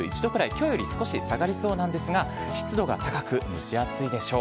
きょうより少し下がりそうなんですが、湿度が高く、蒸し暑いでしょう。